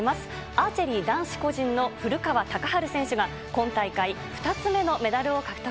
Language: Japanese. アーチェリー男子個人の古川高晴選手が今大会２つ目のメダルを獲得。